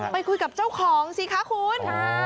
ไปคุยกับเจ้าของสิคะคุณ